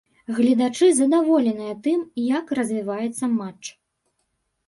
Гледачы задаволеныя тым, як развіваецца матч.